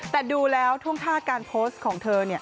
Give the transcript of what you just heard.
แต่ดูแล้วท่วงท่าการโพสต์ของเธอ